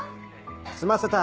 ・済ませた。